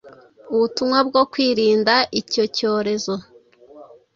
ubutumwa bwo kwirinda icyo cyorezo,